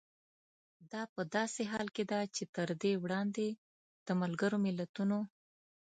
دا په داسې حال کې ده چې تر دې وړاندې د ملګرو ملتونو